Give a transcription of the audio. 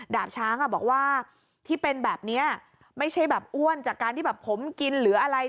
ดาบช้างอ่ะบอกว่าที่เป็นแบบนี้ไม่ใช่แบบอ้วนจากการที่แบบผมกินหรืออะไร